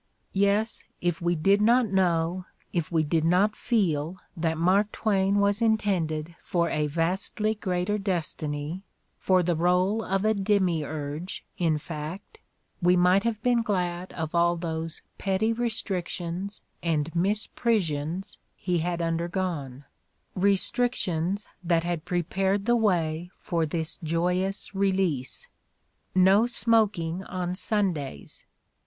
Yes, if we did not know, if we did not feel, that Mark Twain was intended for a vastly greater des tiny, for the role of a demiurge, in fact, we might have been glad of all those petty restrictions and mis prisions he had undergone, restrictions that had pre pared the way for this joyous release. No smoking on Sundays!